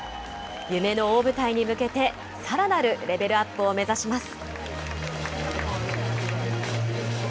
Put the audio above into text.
夢の大舞台に向けて、さらなるレベルアップを目指します。